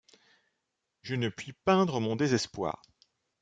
Je ne puis peindre mon désespoir.